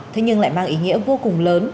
thế nhưng lại mang ý nghĩa vô cùng lớn